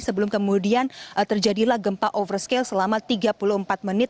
sebelum kemudian terjadilah gempa overscale selama tiga puluh empat menit